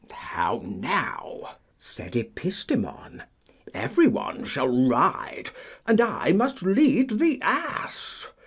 How now! said Epistemon; everyone shall ride, and I must lead the ass?